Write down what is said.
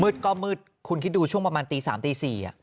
มืดก็มืดคุณคิดดูช่วงประมาณตีสามตีสี่อะ